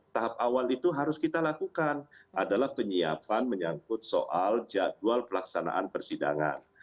tahap awal itu harus kita lakukan adalah penyiapan menyangkut soal jadwal pelaksanaan persidangan